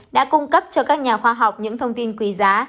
đã cung cấp cho các nhà khoa học những thông tin quý giá